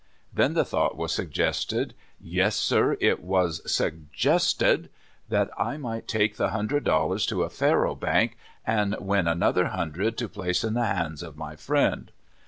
Then the thought was suggested — yes, sir, it was suggxsted — that I might take the hundred dollars to a faro bank and AN INTERVIEW. 59 win another hundred to place in the hands of my friend.